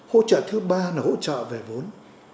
hỗ trợ thứ ba là hỗ trợ về vốn